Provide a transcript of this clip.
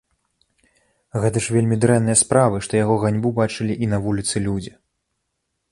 Гэта ж вельмі дрэнныя справы, што яго ганьбу бачылі і на вуліцы людзі.